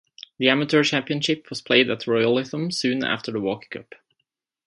The Amateur Championship was played at Royal Lytham soon after the Walker Cup.